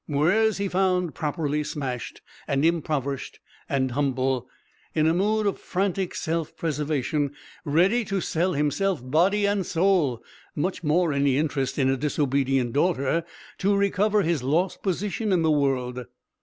Mwres he found properly smashed, and impoverished and humble, in a mood of frantic self preservation, ready to sell himself body and soul, much more any interest in a disobedient daughter, to recover his lost position in the world.